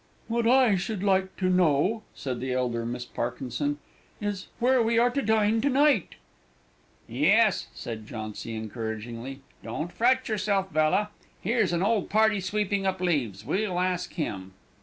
"What I should like to know," said the elder Miss Parkinson, "is, where are we to dine to night?" "Yes," said Jauncy, encouragingly; "don't you fret yourself, Bella. Here's an old party sweeping up leaves, we'll ask him."